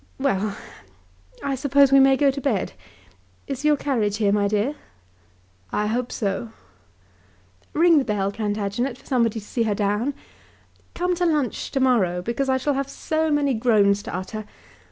Well, I suppose we may go to bed. Is your carriage here, my dear?" "I hope so." "Ring the bell, Plantagenet, for somebody to see her down. Come to lunch to morrow because I shall have so many groans to utter.